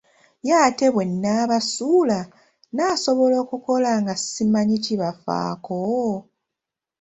Ye ate bwe nnaabasuula, nnaasobola okukola nga simanyi kibafaako?